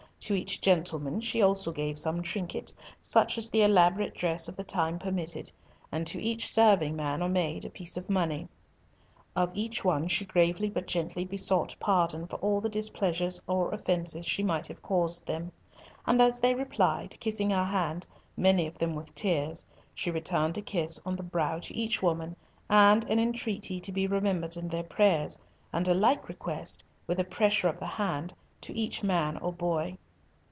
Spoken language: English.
To each gentleman she also gave some trinket, such as the elaborate dress of the time permitted, and to each serving man or maid a piece of money. Of each one she gravely but gently besought pardon for all the displeasures or offences she might have caused them, and as they replied, kissing her hand, many of them with tears, she returned a kiss on the brow to each woman and an entreaty to be remembered in their prayers, and a like request, with a pressure of the hand, to each man or boy.